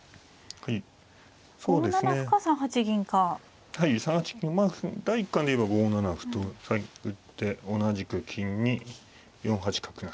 はい３八銀まあ第一感で言えば５七歩と打って同じく金に４八角成。